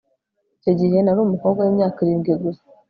Icyo gihe nari umukobwa wimyaka irindwi gusa